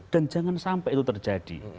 dan jangan sampai itu terjadi